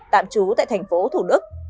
tạm trú tại tp thủ đức